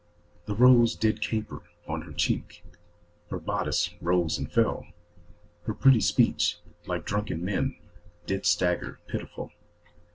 The rose did caper on her cheek, Her bodice rose and fell, Her pretty speech, like drunken men, Did stagger pitiful.